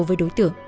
với đối tượng